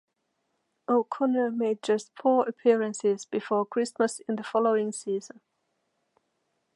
O'Connor made just four appearances before Christmas in the following season.